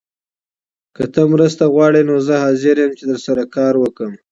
که ته مرسته غواړې نو زه حاضر یم چي درسره کار وکړم.